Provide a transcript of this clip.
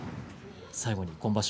最後に今場所